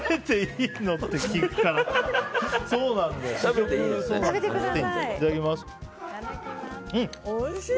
いただきます。